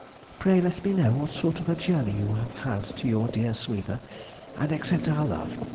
Pray let me know what sort of a journey you have had to your dear sweeper, and accept our love.